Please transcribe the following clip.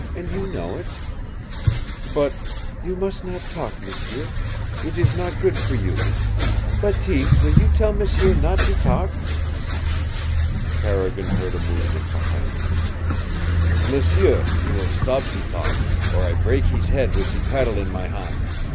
And you know it." "But " "You must not talk, m'sieu. It is not good for you: Bateese, will you tell m'sieu not to talk?" Carrigan heard a movement behind him. "M'sieu, you will stop ze talk or I brak hees head wit' ze paddle in my han'!"